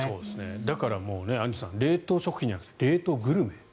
だからアンジュさん冷凍食品じゃなくて冷凍グルメ。